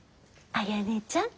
あやねちゃん？